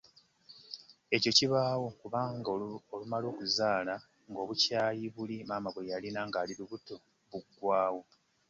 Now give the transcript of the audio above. Ekyo kibaawo kubanga olumala okuzaala ng’obukyayi buli maama bwe yalina ng’ali lubuto buggwaawo.